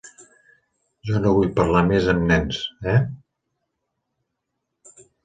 Jo no vull parlar amb més nens, eh?